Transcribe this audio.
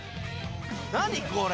何これ！